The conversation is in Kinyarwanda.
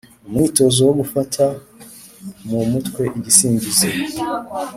Umwitozo wo gufata mu mutwe igisingizo.